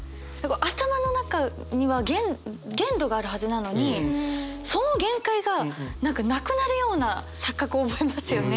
頭の中には限度があるはずなのにその限界が何かなくなるような錯覚を覚えますよね。